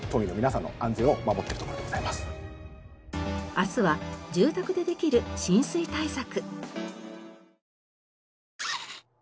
明日は住宅でできる浸水対策。